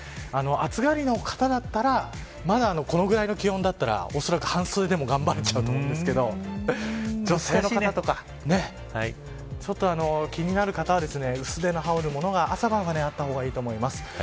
暑がりの方だったらまだこのぐらいの気温だったらおそらく半袖でも頑張れちゃうと思うんですけど女性の方とかねちょっと気になる方は薄手の羽織るものが朝晩はあった方がいいと思います。